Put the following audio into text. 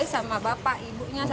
sama bapak ibunya